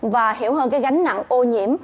và hiểu hơn cái gánh nặng ô nhiễm